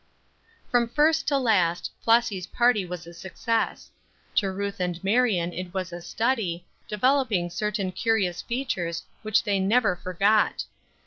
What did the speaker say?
From first to last, Flossy's party was a success. To Ruth and Marion it was a study, developing certain curious features which they never forgot.